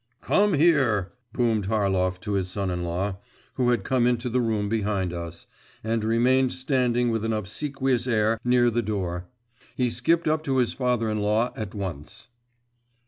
'Come here!' boomed Harlov to his son in law, who had come into the room behind us, and remained standing with an obsequious air near the door. He skipped up to his father in law at once.